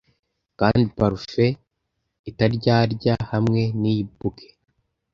kandi parufe itaryarya hamwe niyi bouquet